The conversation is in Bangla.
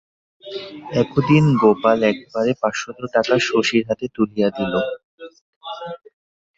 একদিন গোপাল একেবারে পাঁচশত টাকা শশীর হাতে তুলিয়া দিল।